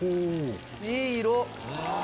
いい色！